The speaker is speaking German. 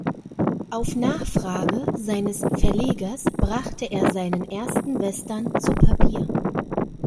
Auf Nachfrage seines Verlegers brachte er seinen ersten Western zu Papier.